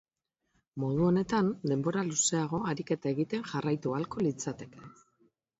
Modu honetan, denbora luzeago ariketa egiten jarraitu ahalko litzateke.